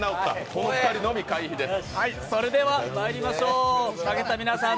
この２人のみ回避です。